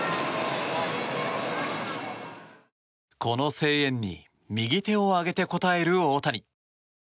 この声援に右手を上げて応える大谷。